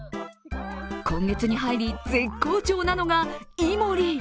今月に入り絶好調なのがイモリ。